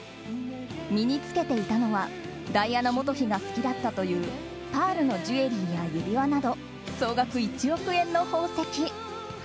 身に着けていたのはダイアナ元妃が好きだったというパールのジュエリーや指輪など総額１億円の宝石。